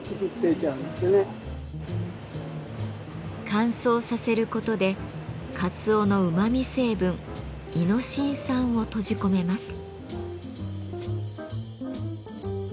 乾燥させることでかつおのうまみ成分「イノシン酸」を閉じ込めます。